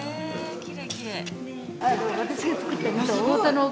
きれいきれい！